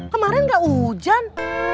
kemaren gak hujan